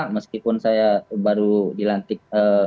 meskipun saya baru dilantik